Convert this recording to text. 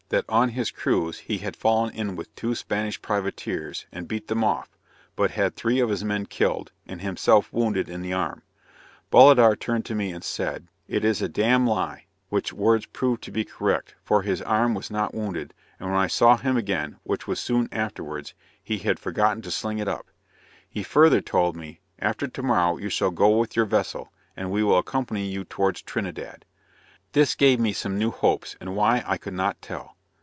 "that on his cruize he had fallen in with two Spanish privateers, and beat them off; but had three of his men killed, and himself wounded in the arm" Bolidar turned to me and said, "it is a d n lie" which words proved to be correct, for his arm was not wounded, and when I saw him again, which was soon afterwards, he had forgotten to sling it up. He further told me, "after tomorrow you shall go with your vessel, and we will accompany you towards Trinidad." This gave me some new hopes, and why I could not tell.